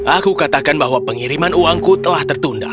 aku katakan bahwa pengiriman uangku telah tertunda